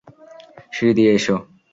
সিড়ি দিয়ে এসো।